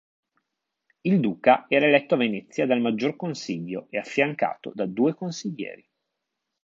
Il duca era eletto a Venezia dal Maggior Consiglio e affiancato da due consiglieri.